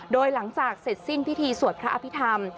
โดยหลังจากเสร็จสิ้นพิธีสวดพระอภิษฐรรม